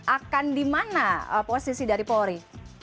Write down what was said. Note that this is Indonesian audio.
akan di mana posisi dari polri